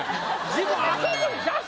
自分あそこに写真。